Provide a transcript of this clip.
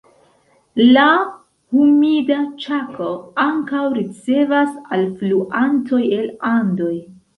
La Humida Ĉako ankaŭ ricevas alfluantoj el Andoj.